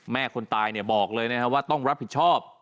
คนตายบอกเลยนะครับว่าต้องรับผิดชอบ